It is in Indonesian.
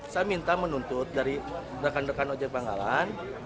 saya minta menuntut dari rekan rekan ojek panggalan